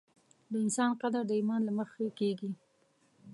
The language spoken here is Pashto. د انسان قدر د ایمان له مخې کېږي.